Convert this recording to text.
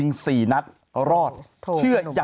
นี่นะฮะ